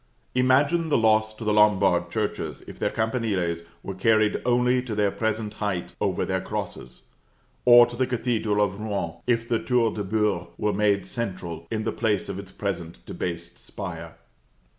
Imagine the loss to the Lombard churches if their campaniles were carried only to their present height over their crosses; or to the Cathedral of Rouen, if the Tour de Beurre were made central, in the place of its present debased spire!